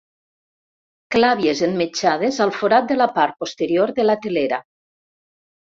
Clàvies emmetxades al forat de la part posterior de la telera.